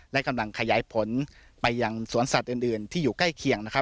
และกำลังขยายผลไปยังสวนสัตว์อื่นที่อยู่ใกล้เคียงนะครับ